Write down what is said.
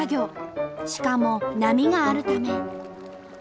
しかも波があるため。